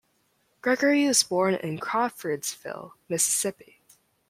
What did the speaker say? Gregory was born in Crawfordsville, Mississippi.